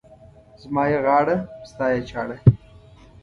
زما يې غاړه، ستا يې چاړه.